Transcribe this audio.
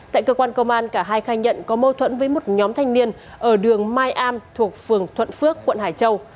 tại cơ quan công an cả hai khai nhận có mâu thuẫn với một nhóm thanh niên ở đường mai am thuộc phường thuận phước quận hải châu